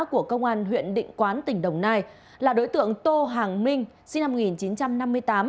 của công an huyện định quán tỉnh đồng nai là đối tượng tô hoàng minh sinh năm một nghìn chín trăm năm mươi tám